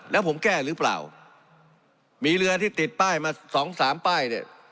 แล้วผมแก้หรือเปล่ามีเรือที่ติดป้ายมาสองสามป้ายเนี่ย